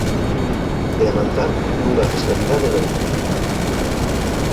E avanzar nunha fiscalidade verde.